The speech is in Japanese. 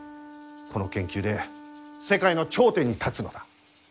この研究で世界の頂点に立つのだ。